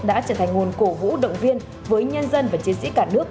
đã trở thành nguồn cổ vũ động viên với nhân dân và chiến sĩ cả nước